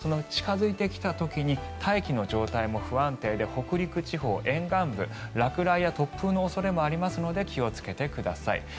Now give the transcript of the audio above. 近付いてきた時に大気の状態も不安定で北陸地方沿岸部落雷や突風の恐れもありますので気をつけてください。